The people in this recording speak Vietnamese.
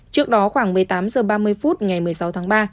trước đó khoảng một mươi tám h ba mươi phút ngày một mươi sáu tháng ba